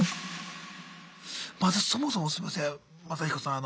まずそもそもすいません